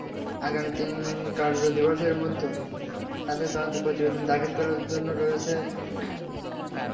আগামী তিন কার্য দিবসের মধ্যে তাদের তদন্ত প্রতিবেদন দাখিল করার কথা রয়েছে।